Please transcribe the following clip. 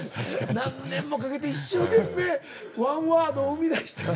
何年もかけて一生懸命１ワードを生み出して。